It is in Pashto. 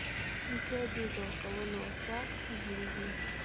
نیکه د دعا کولو وخت نه هېرېږي.